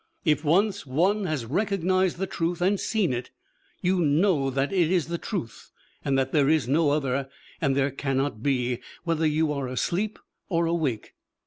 If once one has recognised the truth and seen it, you know that it is the truth and that there is no other and there cannot be, whether you are asleep or awake.